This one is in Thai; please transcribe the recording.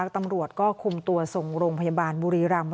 ตำรวจก็คุมตัวส่งโรงพยาบาลบุรีรำ